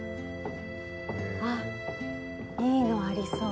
あいいのありそう。